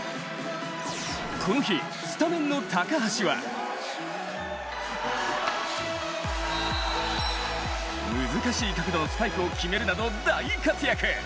この日、スタメンの高橋は難しい角度のスパイクを決めるなど、大活躍。